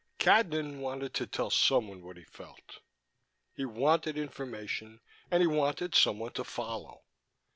Cadnan wanted to tell someone what he felt. He wanted information, and he wanted someone to follow.